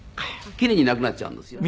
奇麗になくなっちゃうんですよね。